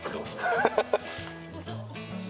ハハハハ！